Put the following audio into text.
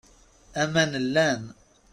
Aman llan.